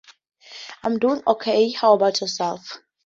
I'm doing okay. How about yourself?